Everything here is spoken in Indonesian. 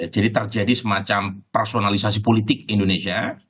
jadi terjadi semacam personalisasi politik indonesia